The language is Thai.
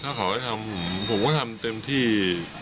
ถ้าขอให้ทำผมก็ทำเต็มที่